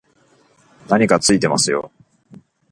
何かついてますよ